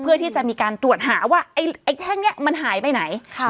เพื่อที่จะมีการตรวจหาว่าไอ้แท่งนี้มันหายไปไหน